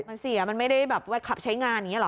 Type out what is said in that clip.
มันเสียมันไม่ได้แบบว่าขับใช้งานอย่างนี้หรอ